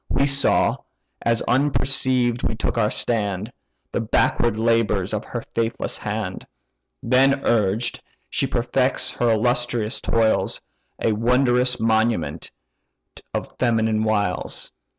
We saw, as unperceived we took our stand, The backward labours of her faithless hand. Then urged, she perfects her illustrious toils; A wondrous monument of female wiles!